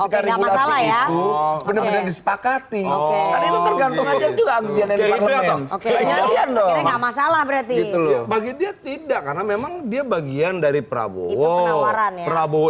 their masalah berarti begitu votes tidak karena memang dia bagian dari prabowo perawaran prabowo